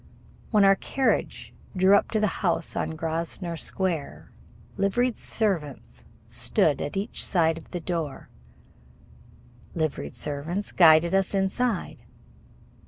When our carriage drew up to the house on Grosvenor Square, liveried servants stood at each side of the door, liveried servants guided us inside.